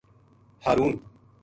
ہارون